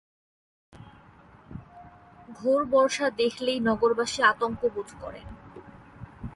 ঘোর বর্ষা দেখলেই নগরবাসী আতঙ্ক বোধ করেন।